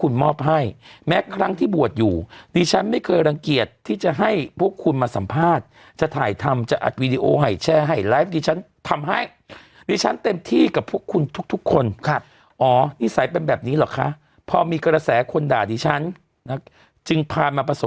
นอนหลับใบนี้แต่ที่เขาไปใช้กันจริงคือดอกเป็นดอกค่ะมศ